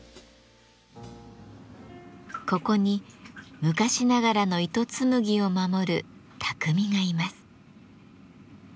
ここに昔ながらの糸紡ぎを守る匠がいます。